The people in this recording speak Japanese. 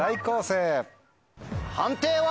判定は？